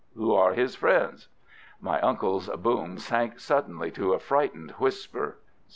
"Who are his friends?" My uncle's boom sank suddenly to a frightened whisper.